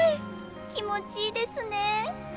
気持ちいいですね。